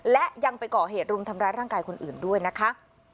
และยังไปก่อเหตุรุมทำร้ายร่างกายคนอื่นด้วยนะคะ